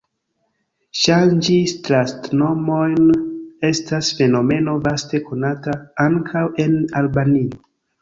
Ŝanĝi stratnomojn estas fenomeno vaste konata, ankaŭ en Albanio.